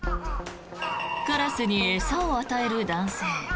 カラスに餌を与える男性。